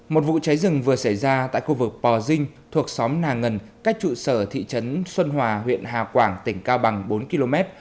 một vụ cháy rừng vừa xảy ra tại khu vực pò dinh thuộc xóm nà ngân cách trụ sở thị trấn xuân hòa huyện hà quảng tỉnh cao bằng bốn km